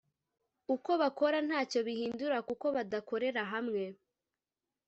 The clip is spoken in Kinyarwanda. Uko bakora ntacyo bihindura kuko badakorera hamwe